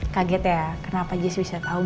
kaget ya kenapa jessy bisa tau bang iqbal disini